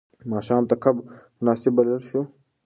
ماښام ته کب مناسب بلل شو.